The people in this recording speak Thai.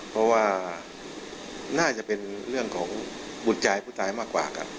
เพราะว่าน่าจะเป็นเรื่องของบุตรใจผู้ตายมากกว่ากัน